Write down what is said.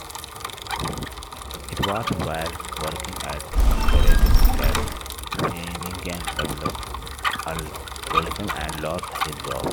It was while working at Brading's that Finnigan developed alcoholism and lost his job.